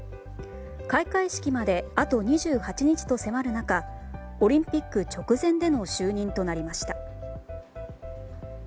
開会式まであと２８日と迫る中オリンピック直前での就任となりました。